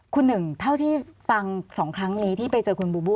คุณหนึ่งเท่าที่ฟัง๒ครั้งนี้ที่ไปเจอคุณบูบู